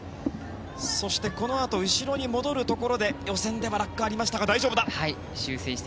そしてこのあと後ろに戻るところで予選では落下がありましたが大丈夫だ。